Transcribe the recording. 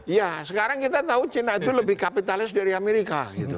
iya sekarang kita tahu cina itu lebih kapitalis dari amerika